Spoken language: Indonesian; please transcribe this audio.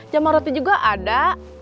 jamar roti juga ada